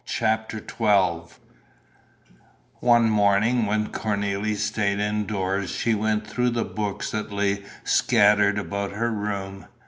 CHAPTER XII One morning when Cornélie stayed indoors she went through the books that lay scattered about her room.